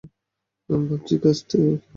ভাবছি কাজটা কীভাবে করবে।